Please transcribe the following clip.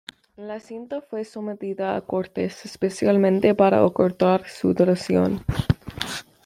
La cinta fue sometida a cortes especialmente para acortar su duración.